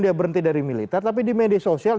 dia berhenti dari militer tapi di media sosial